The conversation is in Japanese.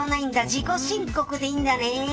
自己申告でいいんだね。